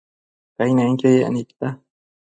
Cainenquio yec nidta